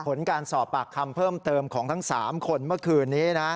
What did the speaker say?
ผลการสอบปากคำเพิ่มเติมของทั้ง๓คนเมื่อคืนนี้นะ